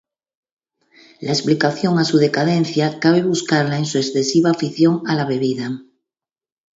La explicación a su decadencia cabe buscarla en su excesiva afición a la bebida.